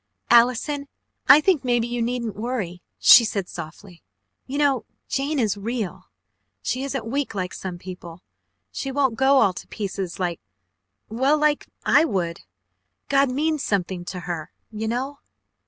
"Allison I think maybe you needn't worry " she said softly. "You know Jane is REAL! She isn't weak like some people. She won't go all to pieces like well, like I would. God means something to her, you know."